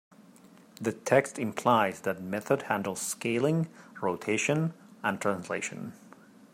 The text implies that method handles scaling, rotation, and translation.